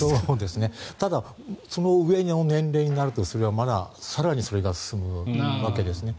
ただ、その上の年齢になると更にそれが進むわけですね。